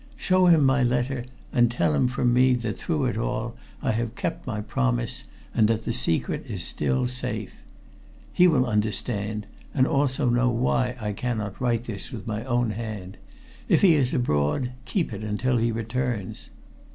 Show him my letter, and tell him from me that through it all I have kept my promise, and that the secret is still safe. He will understand and also know why I cannot write this with my own hand. If he is abroad, keep it until he returns.